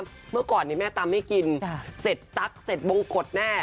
เมื่อก่อนแม่ตำให้กินเสร็จตั๊กเสร็จบงกฎแน่